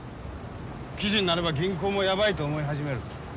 記事になれば銀行もやばいと思い始める。